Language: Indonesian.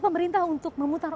yang ketiga sebagai perusahaan